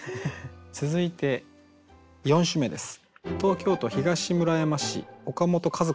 続いて４首目です。